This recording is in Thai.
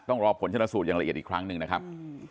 ต้องรอผลชนะสูตรอย่างละเอียดอีกครั้งหนึ่งนะครับ